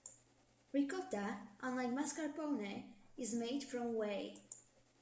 Ricotta, unlike mascarpone, is made from whey.